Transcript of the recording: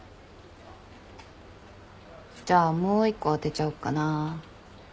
じゃあもう一個当てちゃおっかな。